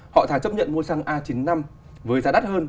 họ thả chấp nhận mua xăng a chín mươi năm với giá đắt hơn